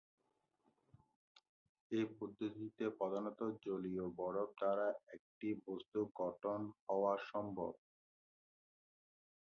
এই পদ্ধতিতেই প্রধানত জলীয় বরফ দ্বারা একটি বস্তু গঠিত হওয়া সম্ভব।